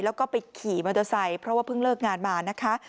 แล้วก็ไปขี่มอเตอร์ไซค์เพราะว่าเพิ่งเลิกงานมานะคะ